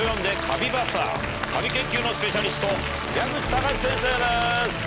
カビ研究のスペシャリスト矢口貴志先生です。